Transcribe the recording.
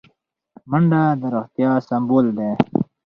منډه د روغتیا سمبول دی